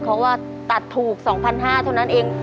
เขาว่าว่าตัดถูก๒๕๐๐ต่อนั่นเอง